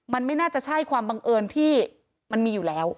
มันไม่น่าจะใช่ความบังเอิญที่มันมีอยู่แล้ว